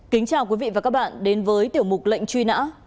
kính chào quý vị và các bạn đến với tiểu mục lệnh truy nã